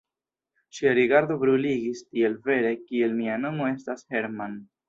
Ŝia rigardo bruligis, tiel vere, kiel mia nomo estas Hermann.